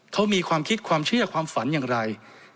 เขามีความคิดความเชื่อความฝันอย่างไร